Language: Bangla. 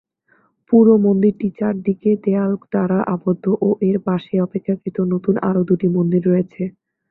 পুরো মন্দিরটি চারদিকে দেয়াল দ্বারা আবদ্ধ ও এর পাশেই অপেক্ষাকৃত নতুন আরও দুটি মন্দির রয়েছে।